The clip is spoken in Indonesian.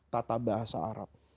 tata bahasa arab